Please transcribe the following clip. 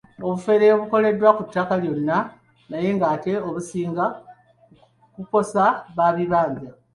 Obufere bukolebwa ku ttaka lyonna naye ate businga kukosa ba bibanja.